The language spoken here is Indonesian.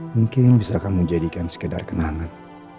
mungkin bisa kamu jadikan sekedar kenangan